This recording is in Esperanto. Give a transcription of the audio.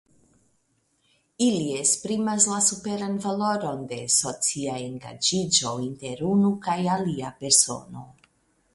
Ili esprimas la superan valoron de socia engaĝiĝo inter unu kaj alia persono.